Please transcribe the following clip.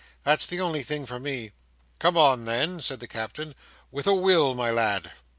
"That's the only thing for me." "Come on then," said the Captain. "With a will, my lad!"